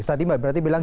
tadi mbak rati bilang